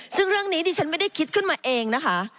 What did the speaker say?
ซึ่งเรื่องนี้ดิฉันไม่ได้คิดขึ้นมาเองนะคะ